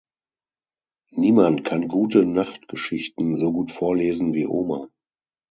Niemand kann Gute-Nacht-Geschichten so gut vorlesen wie Oma.